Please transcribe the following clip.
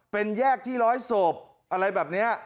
เป็นแยกที่ร้อยศพอะไรแบบนี้